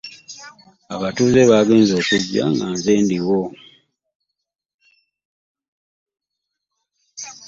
Abatuuze baagenze okujja nga nze ndiwo.